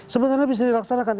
sebenarnya bisa dilaksanakan